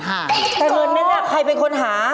แต่เหมือนกันใครเป็นคนหา